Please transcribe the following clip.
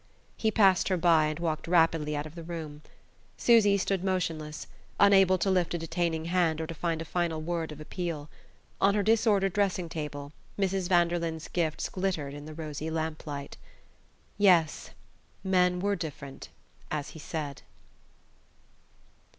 He passed her by and walked rapidly out of the room. Susy stood motionless, unable to lift a detaining hand or to find a final word of appeal. On her disordered dressing table Mrs. Vanderlyn's gifts glittered in the rosy lamp light. Yes: men were different, as he said.